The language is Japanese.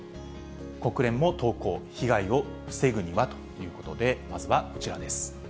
国連も投稿、被害を防ぐにはということで、まずはこちらです。